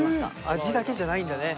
味だけじゃないんだね